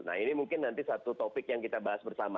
nah ini mungkin nanti satu topik yang kita bahas bersama